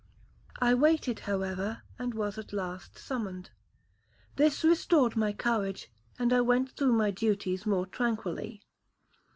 I waited, however, and was at last summoned. This restored my courage, and I went through my duties more tranquilly.